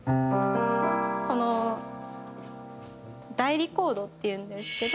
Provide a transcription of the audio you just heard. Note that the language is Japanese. この代理コードっていうんですけど。